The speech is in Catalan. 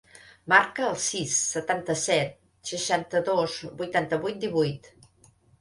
Marca el sis, setanta-set, seixanta-dos, vuitanta-vuit, divuit.